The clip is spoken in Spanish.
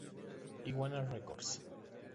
Iguana Records.